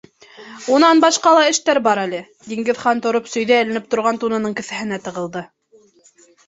Унан башҡа ла эш бар әле, - Диңгеҙхан, тороп, сәйҙә эленеп торған тунының кеҫәһенә тығылды.